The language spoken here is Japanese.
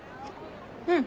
うん。